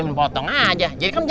bapak jangan bicara sama